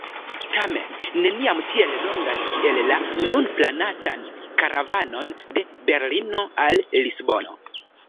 Tamen neniam tiel longan kiel la nun planatan karavanon de Berlino al Lisbono.